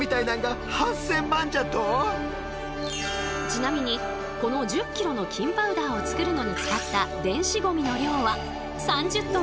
ちなみにこの１０ｋｇの金パウダーを作るのに使った電子ゴミの量は実際の